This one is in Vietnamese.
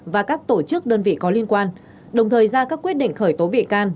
và các tổ chức đơn vị có liên quan đồng thời ra các quyết định khởi tố bị can